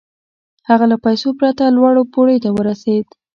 هغه له پيسو پرته لوړو پوړيو ته ورسېد.